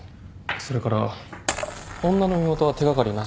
それから女の身元は手掛かりなし。